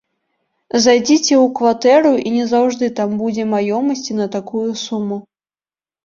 Зайдзіце ў кватэру, і не заўжды там будзе маёмасці на такую суму.